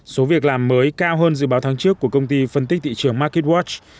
số việc làm mới cao hơn dự báo tháng trước của công ty phân tích thị trường marketwatch